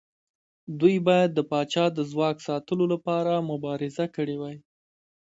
دوی باید د پاچا د ځواک ساتلو لپاره مبارزه کړې وای.